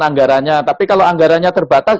anggarannya tapi kalau anggarannya terbatas